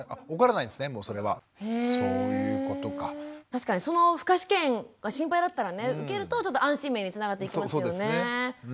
確かにその負荷試験が心配だったらね受けるとちょっと安心面につながっていきますよね。